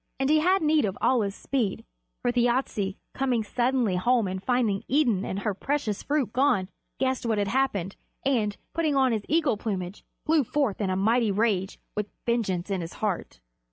And he had need of all his speed, for Thjasse, coming suddenly home and finding Idun and her precious fruit gone, guessed what had happened, and, putting on his eagle plumage, flew forth in a mighty rage, with vengeance in his heart.